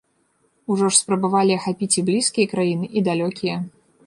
Ужо ж спрабавалі ахапіць і блізкія краіны, і далёкія.